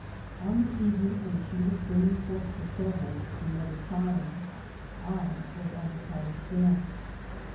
On the evening when she was bringing forth to'Soho another child I was at a college dance.